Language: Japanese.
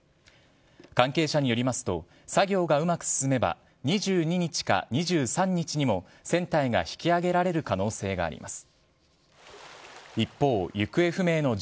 関係者によりますと、作業がうまく進めば、２２日か２３日にも、船体が引き揚げられる可能性があります。